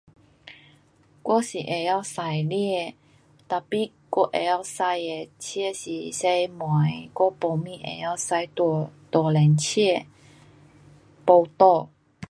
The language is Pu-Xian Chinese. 我是会晓驾车，tapi 我会晓驾的车是小门的，我没什么会晓驾大辆车。没胆。